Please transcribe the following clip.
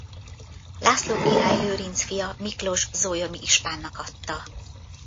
László király Lőrinc fia Miklós zólyomi ispánnak adta.